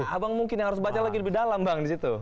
nah abang mungkin yang harus baca lagi lebih dalam bang disitu